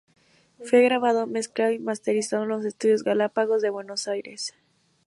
Fue grabado, mezclado y masterizado en los estudios Galápagos de Buenos Aires.